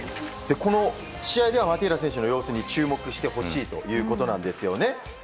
この試合ではマテーラ選手の様子に注目してほしいということなんですよね。